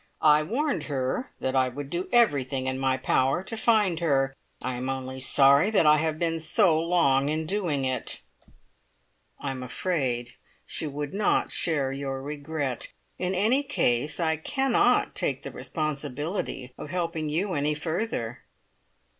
"I warned her that I would do everything in my power to find her. I am only sorry that I have been so long in doing it." "I am afraid she would not share your regret. In any case, I cannot take the responsibility of helping you any further."